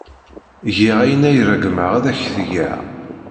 Giɣ ayen ay ṛeggmeɣ ad ak-t-geɣ.